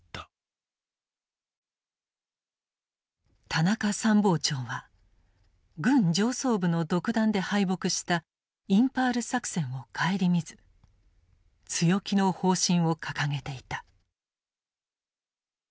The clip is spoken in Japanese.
田中参謀長は軍上層部の独断で敗北したインパール作戦を顧みず強気の方針を掲げていた。